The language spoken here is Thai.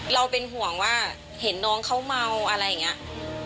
เราเป็นห่วงว่าเห็นน้องเขาเมาอะไรอย่างนี้